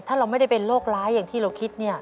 ถ้าเราไม่ได้เป็นโรคร้ายอย่างที่เราคิด